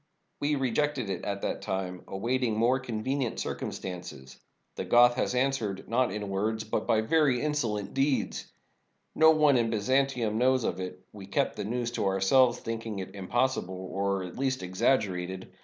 We re jected it at that time; awaiting more convenient circum stances. The Goth has answered, not in words, but by very insolent deeds. No one in Byzantium knows of it — we kept the news to ourselves, thinking it impossi ble, or at least exaggerated.